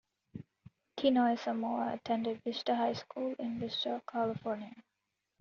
Tinoisamoa attended Vista High School in Vista, California.